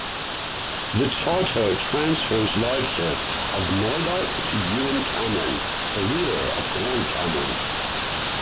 The charter transfers lairdship of Knoydart to Ewen Cameron, the leader of Clan Cameron.